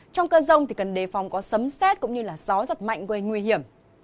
trong cơn rông cần đề phòng có sấm xét cũng như gió giật mạnh gây nguy hiểm